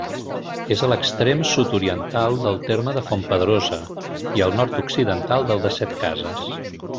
És a l'extrem sud-oriental del terme de Fontpedrosa i al nord-occidental del de Setcases.